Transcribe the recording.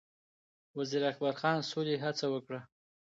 وزیر اکبرخان سولې هڅه وکړه